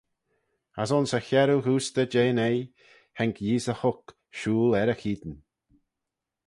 As ayns y chiarroo ghoostey jeh'n oie, haink Yeesey huc, shooyl er y cheayn.